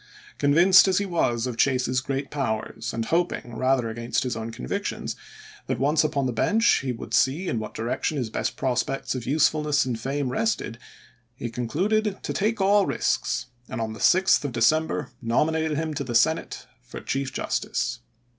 Con vinced as he was of Chase's great powers, and hoping rather against his own convictions that once upon the bench he would see in what direction his best prospects of usefulness and fame rested, he concluded to take all risks, and on the 6th of De CHASE AS CHIEF JUSTICE 395 cember nominated him to the Senate for chief ch. xvil justice.